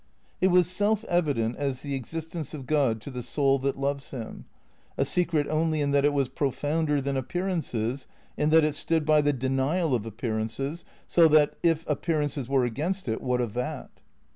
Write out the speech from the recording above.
It was self evident as the existence of God to the soul that loves him; a secret only in that it was profounder than appearances, in that it stood by the denial of appearances, so that, if appearances were against it, what of that?